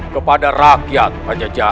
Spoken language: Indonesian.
kepada rakyat raja jara